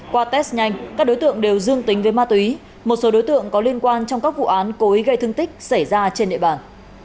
qua test nhanh các đối tượng đều dương tính với ma túy một số đối tượng có liên quan trong các vụ án cố ý gây thương tích xảy ra trên địa bàn